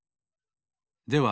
では